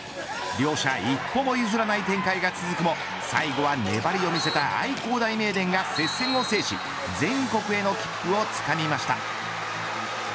両者一歩も譲らない展開が続くも最後は粘りを見せた愛工大名電が接戦を制し全国への切符をつかみました。